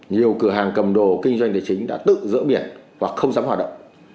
nhiều cửa hàng cầm đồ kinh doanh tài chính đã tự dỡ biển và không dám hoạt động